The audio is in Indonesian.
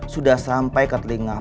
sudah sampai ke telinga